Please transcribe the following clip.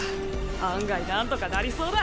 案外なんとかなりそうだ。